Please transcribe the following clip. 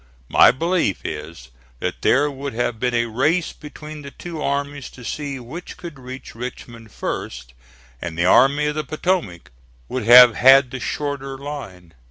My belief is that there would have been a race between the two armies to see which could reach Richmond first, and the Army of the Potomac would have had the shorter line.